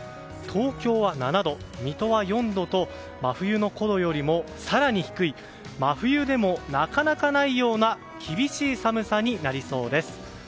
東京は７度、水戸は４度と真冬のころよりも更に低い真冬でもなかなかないような厳しい寒さになりそうです。